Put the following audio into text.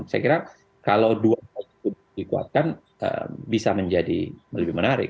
saya kira kalau dua itu dikuatkan bisa menjadi lebih menarik